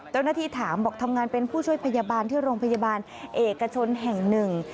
เจ้าหน้าที่ถามบอกทำงานเป็นผู้ช่วยพยาบาลที่โรงพยาบาลเอกชนแห่งหนึ่ง